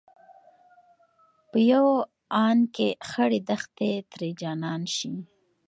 په يو آن کې خړې دښتې ترې جنان شي